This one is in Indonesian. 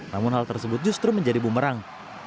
namun hal tersebut justru menjadi bumerang